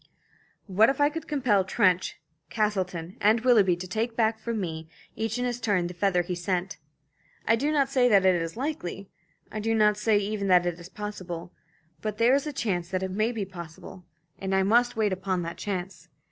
"What if I could compel Trench, Castleton, and Willoughby to take back from me, each in his turn, the feather he sent? I do not say that it is likely. I do not say even that it is possible. But there is a chance that it may be possible, and I must wait upon that chance.